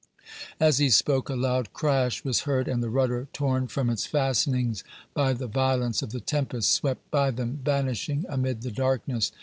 As he spoke, a loud crash was heard, and the rudder, torn from its fastenings by the violence of the tempest, swept by them, vanishing amid the darkness.